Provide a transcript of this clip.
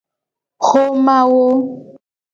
Xomawo.